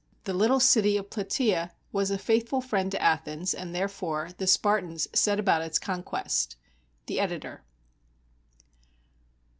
The little city of Plataea was a faithful friend to Athens, and therefore the Spartans set about its conquest.] The Editor.